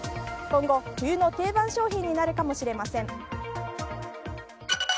今後、冬の定番商品になるかもしれません。